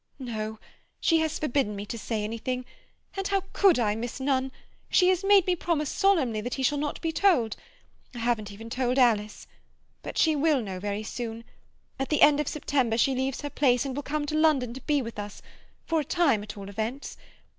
"No. She has forbidden me to say anything—and how could I, Miss Nunn? She has made me promise solemnly that he shall not be told. I haven't even told Alice. But she will know very soon. At the end of September she leaves her place, and will come to London to be with us—for a time at all events.